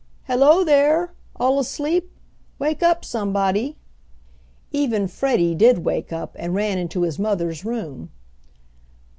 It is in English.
"Hello there! All asleep! Wake up, somebody!" Even Freddie did wake up and ran into his mother's room.